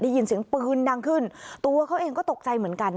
ได้ยินเสียงปืนดังขึ้นตัวเขาเองก็ตกใจเหมือนกัน